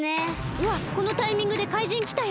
うわこのタイミングでかいじんきたよ。